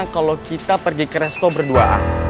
kalau kita pergi ke resto berduaan